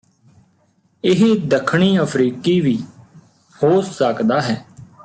ਇਹ ਦੱਖਣੀ ਅਫ਼ਰੀਕੀ ਵੀ ਹੋ ਸਕਦਾ ਹੈ